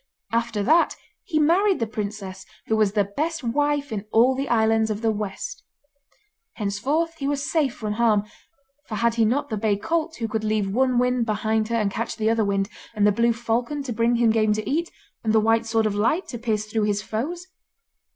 After that he married the princess, who was the best wife in all the islands of the West. Henceforth he was safe from harm, for had he not the bay colt who could leave one wind behind her and catch the other wind, and the blue falcon to bring him game to eat, and the White Sword of Light to pierce through his foes?